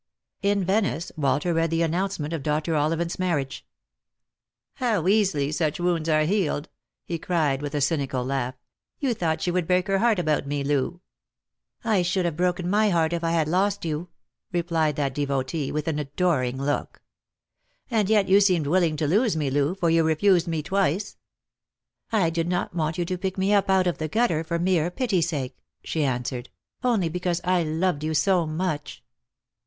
In Venice, Walter read the announcement of Dr. Ollivant's marriage. "How easily such wounds are healed!" he cried, with a cynical laugh. " You thought she would break her heart about me, Loo." " I should have broken my heart if I had lost you," replied that devotee, with an adoring look. " And yet you seemed willing to lose me, Loo, for you refused me twice." " I did not want yon to pick me up out of the gutter, for mere pity sake," she answered, " only because I loved you so much."